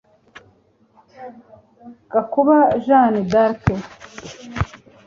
Gakuba Jeanne D’arc